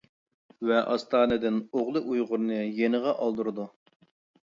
ۋە ئاستانىدىن ئوغلى ئۇيغۇرنى يېنىغا ئالدۇرىدۇ.